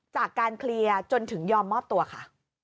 จากการเคลียร์จนถึงยอมมอบตัวค่ะ